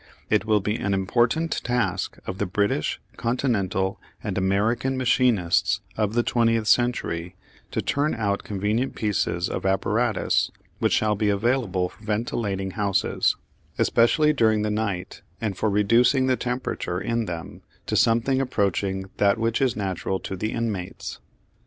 It will be an important task of the British, Continental and American machinists of the twentieth century to turn out convenient pieces of apparatus which shall be available for ventilating houses, especially during the night, and for reducing the temperature in them to something approaching that which is natural to the inmates.